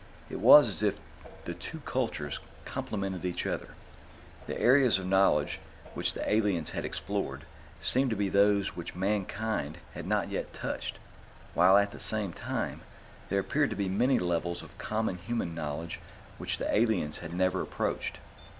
It was as if the two cultures complemented each other; the areas of knowledge which the aliens had explored seemed to be those which Mankind had not yet touched, while, at the same time, there appeared to be many levels of common human knowledge which the aliens had never approached.